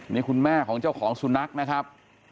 นี่คุณแม่ของเจ้าของสุนัขนะครับ